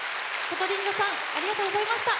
コトリンゴさんありがとうございました。